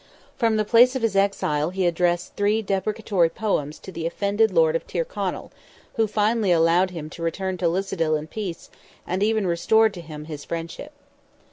From the place of his exile he addressed three deprecatory poems to the offended Lord of Tyrconnell, who finally allowed him to return to Lissadil in peace, and even restored him to his friendship.